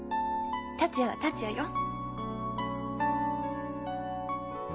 達也は達也よ。